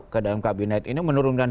ke dalam kabinet ini menurunkan